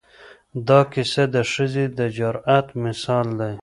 دا کیسه د ښځې د جرأت مثال دی.